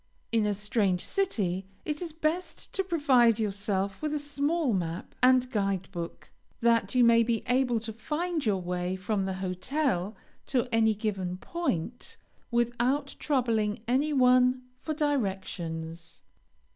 In a strange city it is best to provide yourself with a small map and guide book, that you may be able to find your way from the hotel to any given point, without troubling any one for directions.